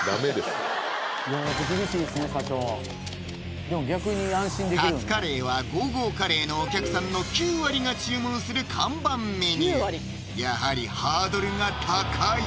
もう手厳しいですね社長でも逆に安心できるカツカレーはゴーゴーカレーのお客さんの９割が注文する看板メニューやはりハードルが高い